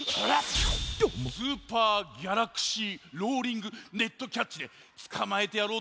「スーパー・ギャラクシー・ローリング・ネット・キャッチ」でつかまえてやろうとおもったのにな。